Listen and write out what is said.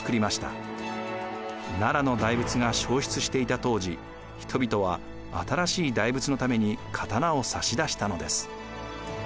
奈良の大仏が消失していた当時人々は新しい大仏のために刀を差し出したのです。